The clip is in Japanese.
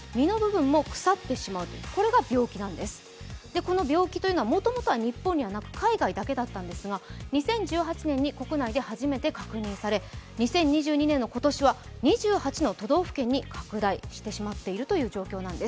この病気はもともとは日本にはなく海外だけだったんですが、２０１８年に国内で初めて確認され都道府県に拡大してしまっているという状況なんです。